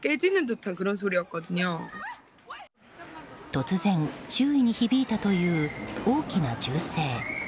突然、周囲に響いたという大きな銃声。